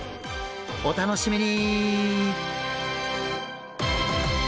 お楽しみに！